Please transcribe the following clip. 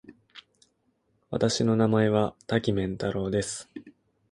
私の名前は多岐麺太郎です。